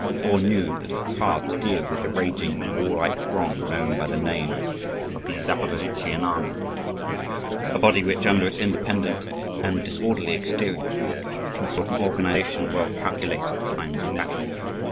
All knew that it was hard to deal with the raging and warlike throng known by the name of the Zaporozhian army; a body which, under its independent and disorderly exterior, concealed an organisation well calculated for times of battle.